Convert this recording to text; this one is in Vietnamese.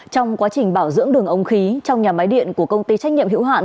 trong quá trình bảo dưỡng đường ống khí trong nhà máy điện của công ty trách nhiệm hữu hạn